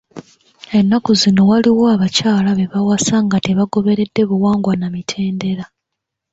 Ennaku zino waliwo abakyala be bawasa nga tebagoberedde buwangwa na mitendera.